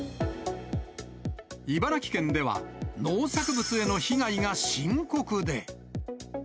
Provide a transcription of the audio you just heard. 茨城県では農作物への被害が深刻で。